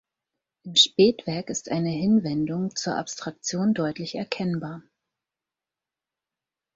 Im Spätwerk ist eine Hinwendung zur Abstraktion deutlich erkennbar.